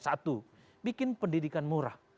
satu bikin pendidikan murah